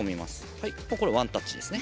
はいこれワンタッチですね。